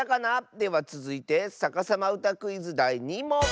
ではつづいて「さかさまうたクイズ」だい２もん。